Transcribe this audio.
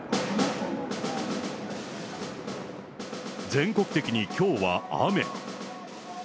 全国的にきょうは雨。